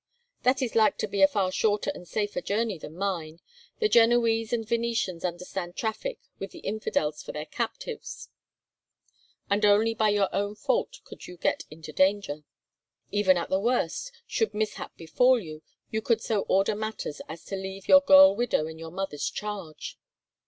"That is like to be a far shorter and safer journey than mine. The Genoese and Venetians understand traffic with the infidels for their captives, and only by your own fault could you get into danger. Even at the worst, should mishap befall you, you could so order matters as to leave your girl widow in your mother's charge."